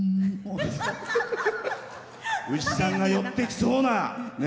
牛さんが寄ってきそうな。